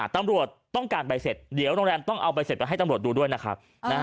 ตำรวจต้องการใบเสร็จเดี๋ยวโรงแรมต้องเอาใบเสร็จไปให้ตำรวจดูด้วยนะครับ